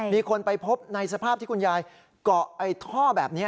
มีคนไปพบในสภาพที่คุณยายเกาะท่อแบบนี้